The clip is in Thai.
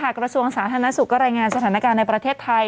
กระทรวงสาธารณสุขก็รายงานสถานการณ์ในประเทศไทย